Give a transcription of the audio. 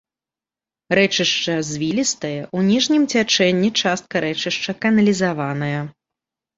Рэчышча звілістае, у ніжнім цячэнні частка рэчышча каналізаваная.